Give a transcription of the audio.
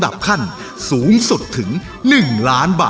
บอกพี่เลย